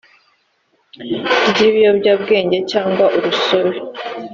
ry ibiyobyabwenge cyangwa urusobe